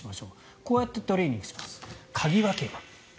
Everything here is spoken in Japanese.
こうやってトレーニングします。